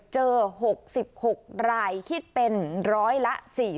เจอ๖๖รายคิดเป็น๑๔๔ร้อย